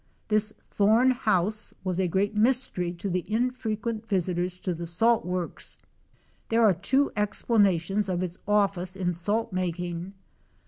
This "thorn house" was a great mystery to the infrequent visitors to the salt works. There are two explanations of its office in salt making.